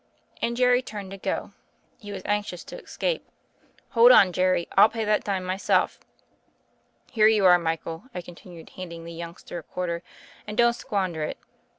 And Jerry turned to go : he was anxious to escape. "Hold on, Jerry: I'll pay that dime myself. Here you are Michael," I continued, handing the youngster a quarter, "and don't squander it.